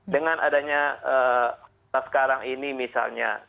dengan adanya sekarang ini misalnya